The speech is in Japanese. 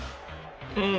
うん。